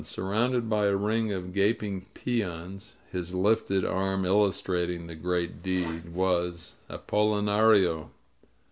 Surrounded by a ring of gaping peons, his lifted arm illustrating the great deed, was — ^Apolinario!